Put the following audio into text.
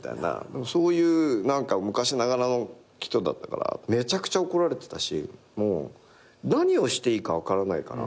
そういう昔ながらの人だったからめちゃくちゃ怒られてたしもう何をしていいか分からないから。